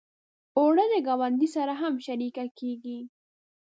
اوړه د ګاونډي سره هم شریکه کېږي